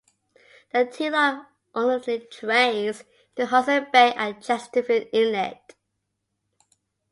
The Thelon ultimately drains into Hudson Bay at Chesterfield Inlet.